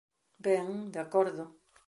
Ben, de acordo.